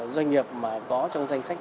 doanh nghiệp mà có trong danh sách